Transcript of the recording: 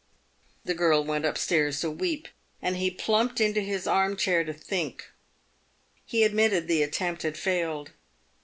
The girl went up stairs to weep, and he plumped into his arm chair to think. He admitted the attempt had failed.